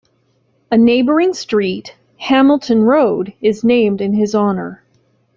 A neighbouring street, Hamilton Road, is named in his honour.